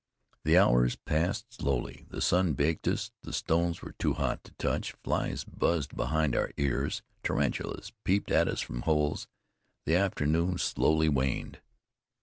The hours passed slowly. The sun baked us; the stones were too hot to touch; flies buzzed behind our ears; tarantulas peeped at us from holes. The afternoon slowly waned.